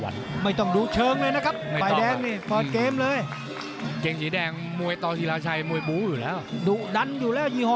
ทั้งเต็กทั้งวินเลยนะ